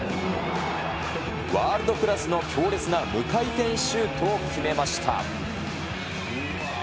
ワールドクラスの強烈な無回転シュートを決めました。